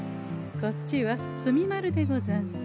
こっちは墨丸でござんす。